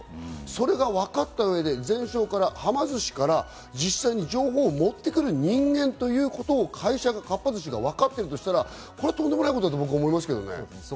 それがわかった上でゼンショーから、はま寿司から実際に情報を持ってくる人間ということをかっぱ寿司がわかっているとしたら、これとんでもないことだと僕思いますけどね。